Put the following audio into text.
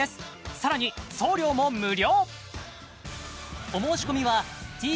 更に送料も無料！